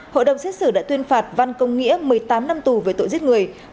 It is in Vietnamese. hội đồng xét xử đã tuyên phạt văn công nghĩa một mươi tám năm tù về tội giết người